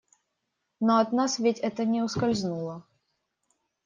Но от нас ведь это не ускользнуло.